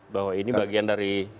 bahwa ini bagian dari